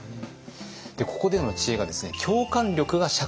ここでの知恵がですね